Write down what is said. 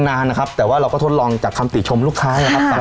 นานนะครับแต่ว่าเราก็ทดลองจากคำติชมลูกค้านะครับ